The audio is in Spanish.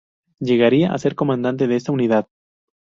Llegaría a ser comandante de esta unidad.